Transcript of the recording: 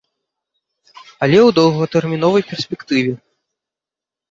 Але ў доўгатэрміновай перспектыве.